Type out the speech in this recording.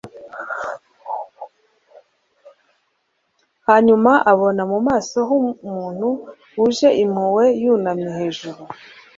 hanyuma abona mu maso h’umuntu wuje impuhwe yunamye hejuru ye,